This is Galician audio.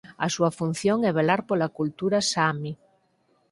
A súa función é velar pola cultura saami.